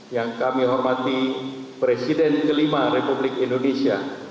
yang kami hormati presiden kelima republik indonesia